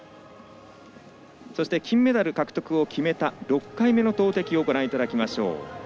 そして、金メダルを獲得を決めた６回目の投てきをご覧いただきましょう。